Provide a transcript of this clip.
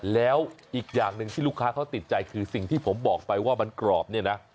แล้วอีกอย่างหนึ่งที่ลูกค้าเขาติดใจคือสิ่งที่ผมบอกไปว่ามันกรอบเนี่ยนะ